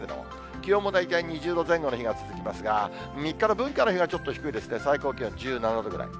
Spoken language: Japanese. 気温も大体２０度前後の日が続きますが、３日の文化の日はちょっと低いですね、最高気温１７度くらい。